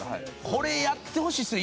これやってほしいっすね。